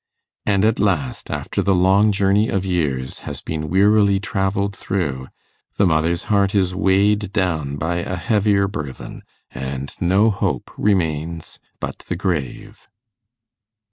And at last, after the long journey of years has been wearily travelled through, the mother's heart is weighed down by a heavier burthen, and no hope remains but the grave.